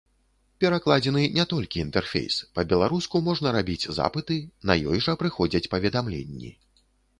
Перакладзены не толькі інтэрфейс, па-беларуску можна рабіць запыты, на ёй жа прыходзяць паведамленні.